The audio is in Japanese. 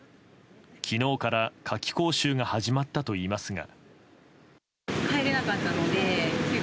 昨日から夏季講習が始まったといいますが。